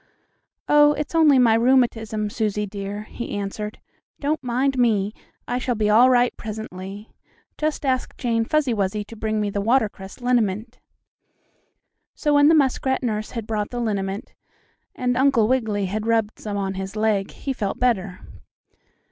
"Oh, it's only my rheumatism, Susie dear," he answered. "Don't mind me. I shall be all right presently. Just ask Jane Fuzzy Wuzzy to bring me the watercress liniment." So when the muskrat nurse had brought the liniment, and Uncle Wiggily had rubbed some on his leg, he felt better.